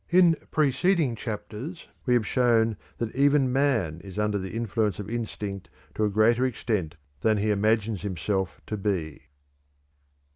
In preceding chapters we have shown that even man is under the influence of instinct to a greater extent than he imagines himself to be.